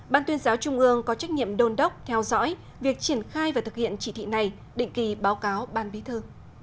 ban tuyên giáo trung ương có trách nhiệm đôn đốc theo dõi việc triển khai và thực hiện chỉ thị này định kỳ báo cáo ban bí thư